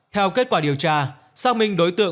theo kết quả điều tra xác minh đối tượng